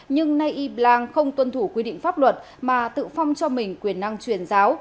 nhưng nay y blang không tuân thủ quy định pháp luật mà tự phong cho mình quyền năng truyền giáo